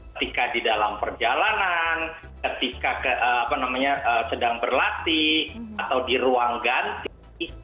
ketika di dalam perjalanan ketika sedang berlatih atau di ruang ganti